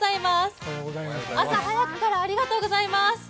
朝早くからありがとうございます。